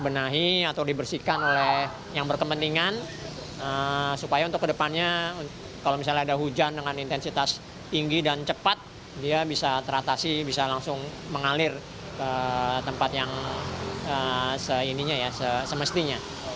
benahi atau dibersihkan oleh yang berkepentingan supaya untuk kedepannya kalau misalnya ada hujan dengan intensitas tinggi dan cepat dia bisa teratasi bisa langsung mengalir ke tempat yang semestinya